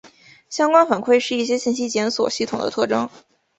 相关反馈是一些信息检索系统的特征。